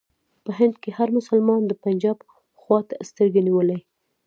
په هند کې هر مسلمان د پنجاب خواته سترګې نیولې.